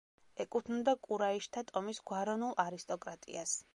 ეკუთვნოდა კურაიშთა ტომის გვაროვნულ არისტოკრატიას.